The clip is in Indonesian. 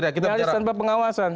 nggak ada tanpa pengawasan